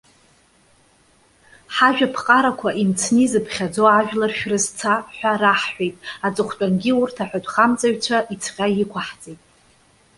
Ҳажәаԥҟарақәа имцны изыԥхьаӡо ажәлар шәрызца,- ҳәа раҳҳәеит. Аҵыхәтәангьы урҭ аҳәатәхамҵаҩцәа ицҟьа иқәаҳҵеит.